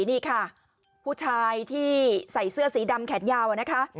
นี่ค่ะผู้ชายที่ใส่เสื้อสีดำแขนยาวนะคะ